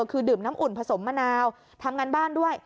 คือดื่มน้ำอุ่นผสมมะนาวทำงานบ้านด้วย